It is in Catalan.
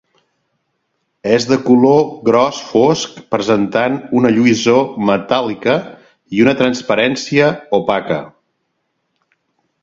És de color gros fosc, presentant una lluïssor metàl·lica i una transparència opaca.